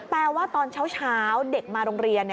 ว่าตอนเช้าเด็กมาโรงเรียน